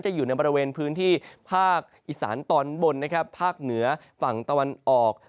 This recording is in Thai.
อยู่ในบริเวณพื้นที่ภาคอีสานตอนบนนะครับภาคเหนือฝั่งตะวันออก